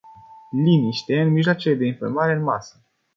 Liniște în mijloacele de informare în masă.